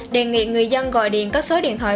đề nghị người dân gọi điện các số điện thoại